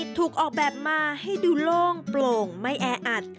ถูกออกแบบมาให้ดูโล่งโปร่งไม่แออัด